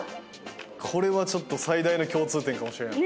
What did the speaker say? これはちょっと最大の共通点かもしれない。